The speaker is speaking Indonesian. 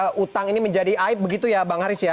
hutang ini menjadi aib begitu ya bang haris ya